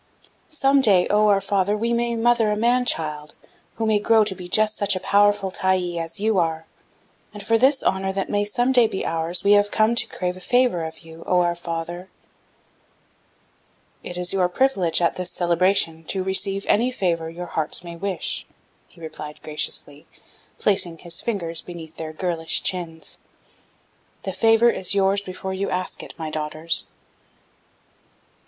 "'Some day, oh! our father, we may mother a man child, who may grow to be just such a powerful Tyee as you are, and for this honor that may some day be ours we have come to crave a favor of you you, Oh! our father.' "'It is your privilege at this celebration to receive any favor your hearts may wish,' he replied graciously, placing his fingers beneath their girlish chins. 'The favor is yours before you ask it, my daughters.'